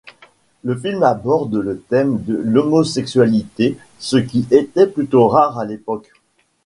Le film aborde le thème de l'homosexualité, ce qui était plutôt rare à l'époque.